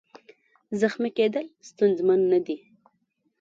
زخمي کېدل ستونزمن نه دي.